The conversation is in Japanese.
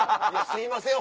すいません